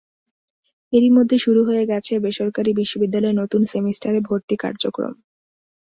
এরই মধ্যে শুরু হয়ে গেছে বেসরকারি বিশ্ববিদ্যালয়ে নতুন সেমিস্টারে ভর্তি কার্যক্রম।